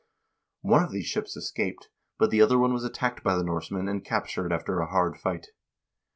One of these ships escaped, but the other one was attacked by the Norse men and captured after a hard fight.